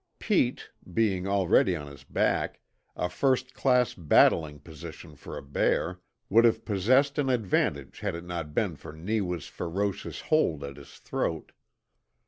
Pete, being already on his back a first class battling position for a bear would have possessed an advantage had it not been for Neewa's ferocious hold at his throat.